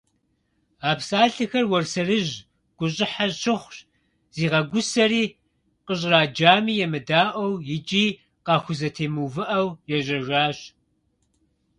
А псалъэхэр Уэрсэрыжь гущӀыхьэ щыхъущ, зигъэгусэри, къыщӀраджами емыдаӀуэу икӀи къахузэтемыувыӀэу, ежьэжащ.